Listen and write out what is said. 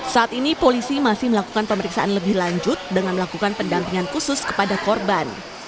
saat ini polisi masih melakukan pemeriksaan lebih lanjut dengan melakukan pendampingan khusus kepada korban